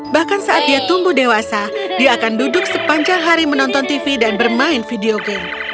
bahkan saat dia tumbuh dewasa dia akan duduk sepanjang hari menonton tv dan bermain video game